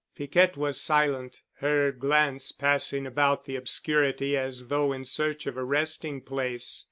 Piquette was silent, her glance passing about the obscurity as though in search of a resting place.